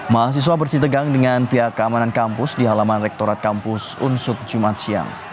mahasiswa bersih tegang dengan pihak keamanan kampus di halaman rektorat kampus unsut jumat siang